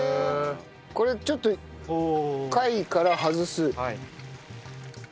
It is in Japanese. これちょっと貝から外す。